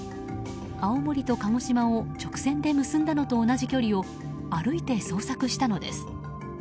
青森と鹿児島を直線で結んだのと同じ距離を歩いて捜索したのです。